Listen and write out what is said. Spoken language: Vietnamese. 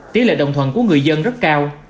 tí lệ đồng thuận của người dân rất cao